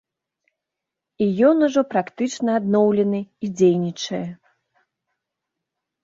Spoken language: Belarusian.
І ён ужо практычна адноўлены і дзейнічае.